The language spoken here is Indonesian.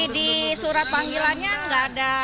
di surat panggilannya nggak ada